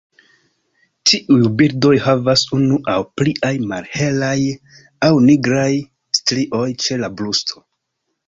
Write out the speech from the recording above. Tiuj birdoj havas unu aŭ pliaj malhelaj aŭ nigraj strioj ĉe la brusto.